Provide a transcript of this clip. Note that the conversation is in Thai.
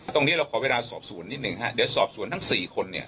ตรงนี้เราขอเวลาสอบสวนนิดหนึ่งฮะเดี๋ยวสอบสวนทั้ง๔คนเนี่ย